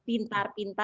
jadi kita harus pintar